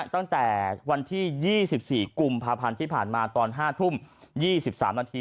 ตั้งแต่วันที่๒๔กุมภาพันธ์ที่ผ่านมาตอน๕ทุ่ม๒๓นาที